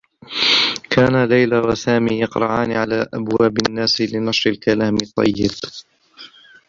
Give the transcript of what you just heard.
كانا ليلى و سامي يقرعان على أبواب النّاس لنشر الكلام الطّيّب.